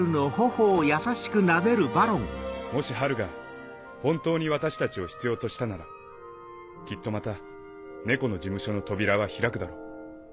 もしハルが本当に私たちを必要としたならきっとまた猫の事務所の扉は開くだろう。